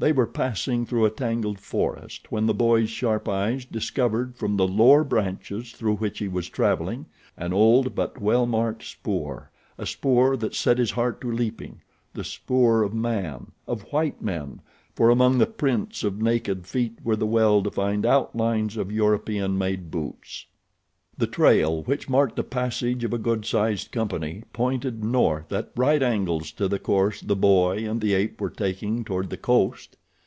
They were passing through a tangled forest when the boy's sharp eyes discovered from the lower branches through which he was traveling an old but well marked spoor—a spoor that set his heart to leaping—the spoor of man, of white men, for among the prints of naked feet were the well defined outlines of European made boots. The trail, which marked the passage of a good sized company, pointed north at right angles to the course the boy and the ape were taking toward the coast.